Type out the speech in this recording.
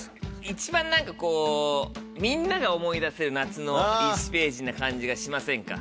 一番何かこうみんなが思い出せる夏の１ページな感じがしませんか。